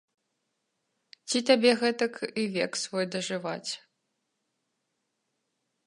Ці табе гэтак і век свой дажываць!